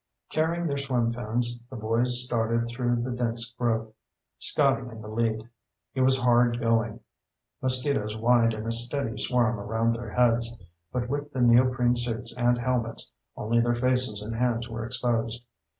Carrying their swim fins, the boys started through the dense growth, Scotty in the lead. It was hard going. Mosquitoes whined in a steady swarm around their heads, but with the neoprene suits and helmets, only their faces and hands were exposed.